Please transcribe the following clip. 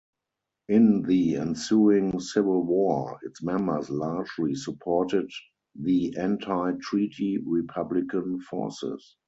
In the ensuing Civil War, its members largely supported the anti-Treaty Republican forces.